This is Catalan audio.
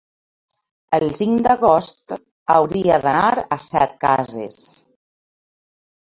el cinc d'agost hauria d'anar a Setcases.